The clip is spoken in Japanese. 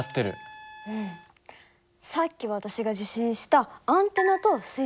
さっき私が受信したアンテナと垂直だね。